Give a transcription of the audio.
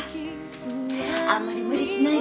あんまり無理しないでね。